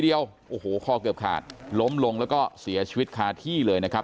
เดียวโอ้โหคอเกือบขาดล้มลงแล้วก็เสียชีวิตคาที่เลยนะครับ